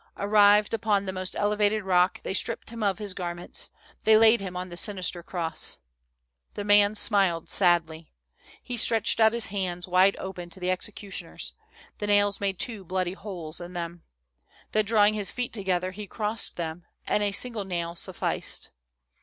Arrived upon the most elevated rock, they stripped him of his garments, they laid him on the sinister cross. "The man smiled sadly. He stretched out his hands wide open to the executioners ; the nails made two bloody holes in them. Then, drawing his feet together, he crossed them, and a single nail sufficed.